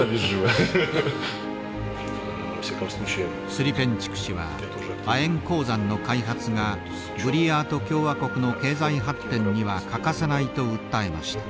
スリペンチュク氏は亜鉛鉱山の開発がブリヤート共和国の経済発展には欠かせないと訴えました。